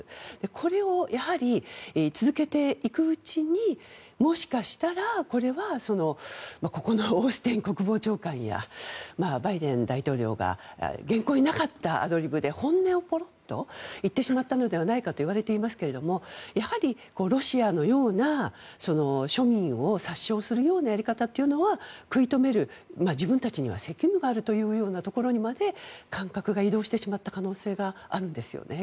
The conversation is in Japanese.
これを続けていくうちにもしかしたら、これはここのオースティン国防長官やバイデン大統領が原稿になかったアドリブで本音をポロッと言ってしまったのではないかと言われていますがやはり、ロシアのような庶民を殺傷するようなやり方というのは食い止める自分たちには責務があるというところにまで感覚が移動してしまった可能性があるんですよね。